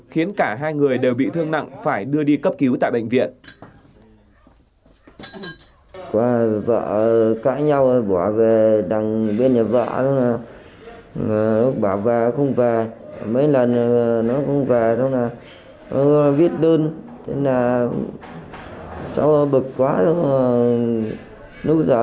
khiến cả hai người đều bị thương nặng phải đưa đi cấp cứu tại bệnh viện